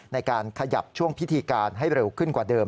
ในการขยับช่วงพิธีการให้เร็วขึ้นกว่าเดิม